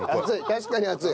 確かに熱い。